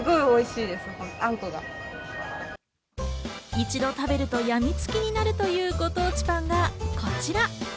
一度食べると病みつきになるというご当地パンがこちら。